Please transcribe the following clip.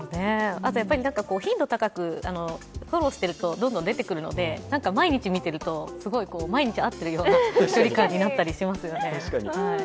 あと頻度高くフォローしているとどんどん出てくるので、毎日見てるとすごい毎日会ってるような距離感になったりしますよね。